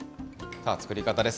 さあ、作り方です。